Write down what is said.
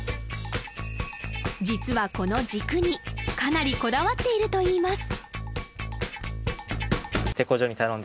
実はこの軸にかなりこだわっているといいます